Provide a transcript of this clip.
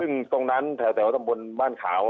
ซึ่งตรงนั้นแถวตำบลบ้านขาว